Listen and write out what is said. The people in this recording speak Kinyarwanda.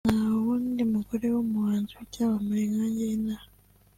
nta wundi mugore w’umuhanzi w’icyamamare nkanjye inaha